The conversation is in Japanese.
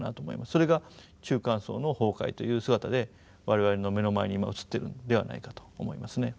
それが中間層の崩壊という姿で我々の目の前に今映ってるんではないかと思いますね。